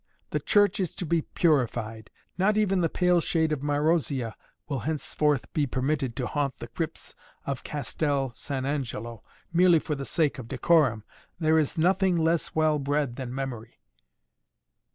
The Church is to be purified. Not even the pale shade of Marozia will henceforth be permitted to haunt the crypts of Castel San Angelo merely for the sake of decorum. There is nothing less well bred than memory!"